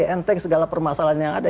enteng segala permasalahan yang ada